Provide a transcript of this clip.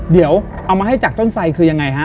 เดี๋ยวเอามาให้จากต้นไสคือยังไงฮะ